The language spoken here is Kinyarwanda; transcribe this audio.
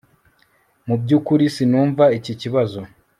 Mu byukuri sinumva iki kibazo